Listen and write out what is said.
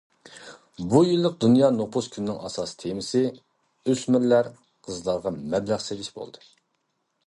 بۇ يىللىق دۇنيا نوپۇس كۈنىنىڭ ئاساسىي تېمىسى« ئۆسمۈر قىزلارغا مەبلەغ سېلىش» بولدى.